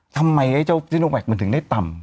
ไอ้เจ้าซิโนแวคมันถึงได้ต่ำ